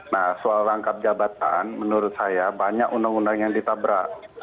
nah soal rangkap jabatan menurut saya banyak undang undang yang ditabrak